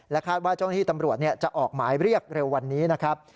คาดว่าเจ้าหน้าที่ตำรวจจะออกหมายเรียกเร็ววันนี้นะครับ